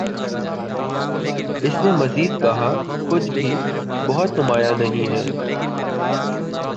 اس نے مزید کہا کچھ بھِی بہت نُمایاں نہیں ہے